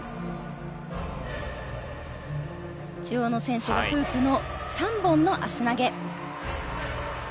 中央の選手がフープの、３本の足投げ。